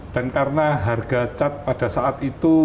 dan karena harga cat pada saat itu